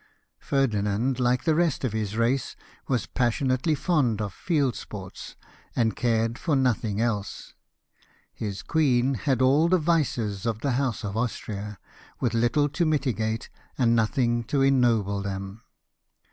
Ferdinand, like the rest of his race, THE STATE (>F NAPLES. 163 was passionately fond of field sports, and cared for nothing, else. His queen had all the vices of the House of Austria, with little to mitigate, and nothing to ennoble them.